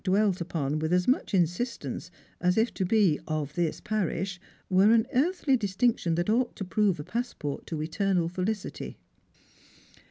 dwelt upon with as mucli insistence as if to be " of tliis pariish" ■were an earthly distinction that ought to prove a jDassport to eternal felicity.